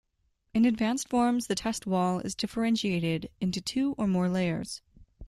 In advanced forms the test wall is differentiated into two or more layers.